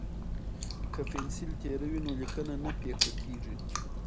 که پنسل تیره وي نو لیکنه نه پیکه کیږي.